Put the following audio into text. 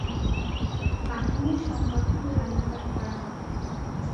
বাহিনীর সংগঠন হালনাগাদ করা হবে।